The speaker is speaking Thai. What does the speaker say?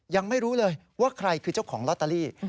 ยังไม่รู้เลยว่าใครคือเจ้าของลอตเตอรี่